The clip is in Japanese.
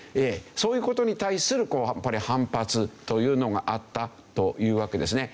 そういう事に対するやっぱり反発というのがあったというわけですね。